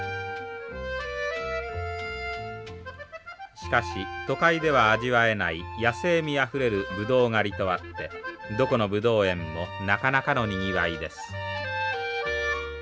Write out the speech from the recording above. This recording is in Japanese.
しかし都会では味わえない野性味あふれるブドウ狩りとあってどこのブドウ園もなかなかのにぎわいです。